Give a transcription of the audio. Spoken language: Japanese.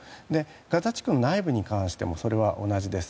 ガザ地区内部に関してもそれは同じです。